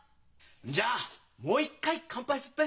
じゃあもう一回乾杯すっぺ。